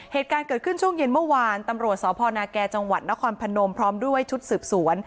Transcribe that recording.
เหตุการณ์เกิดขึ้นช่วงเย็นเมื่อวานตำรวจสพนาแก่จังหวัดนครพนมพร้อมด้วยชุดสืบสวน